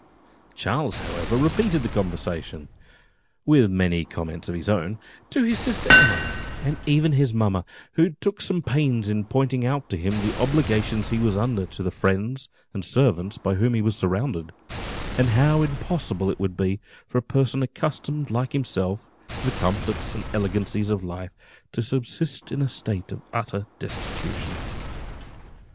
Charles, however, repeated the conversation (with many comments of his own) to his sister Emily, and even his mamma, who took some pains in pointing out to him the obligations he was under to the friends and servants by whom he was surrounded, and how impossible it would be, for a person accustomed like himself to the comforts and elegancies of life, to subsist in a state of utter destitution.